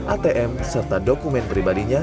atm serta dokumen pribadinya